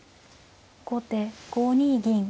後手５二銀。